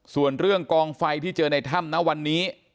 ส่วนเรื่องกองไฟที่เจอในถ้ำนะวันนี้